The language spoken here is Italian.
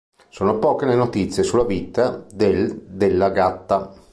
Sono poche le notizie sulla vita del della Gatta.